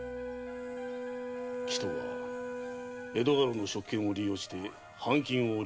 鬼頭は江戸家老の職権を利用して藩金を横領していた。